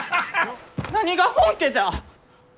なにが本家じゃ！